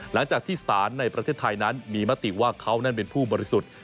หลังจากที่สารในประเทศไทยนั้นมีมติว่าเขานั่นเป็นผู้บริสุทธิ์